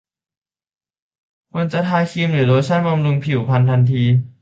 ควรจะทาครีมหรือโลชั่นบำรุงผิวพรรณทันที